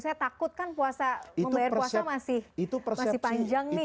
saya takut kan puasa membayar puasa masih panjang nih